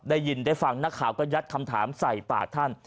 ได้ยินได้ฟังนักข่าวก็ยัดคำถามใส่ปากท่าน